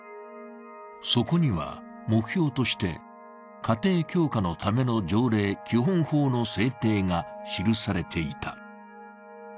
そこには、目標として、家庭強化のための条例・基本法の制定が記されていた。